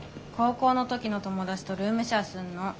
高校の時の友達とルームシェアすんの。